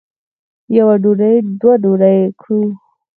یوه ډوډۍ دوه ډوډۍ کړو.